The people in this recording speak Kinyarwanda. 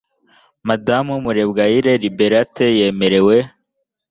madamu murebwayire liberata yemerewe